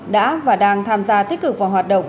đã và đang tham gia tích cực vào hoạt động